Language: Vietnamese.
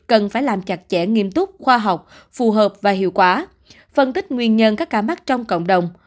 cần phải làm chặt chẽ nghiêm túc khoa học phù hợp và hiệu quả phân tích nguyên nhân các ca mắc trong cộng đồng